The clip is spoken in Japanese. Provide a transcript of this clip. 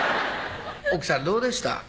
奥さんどうでした？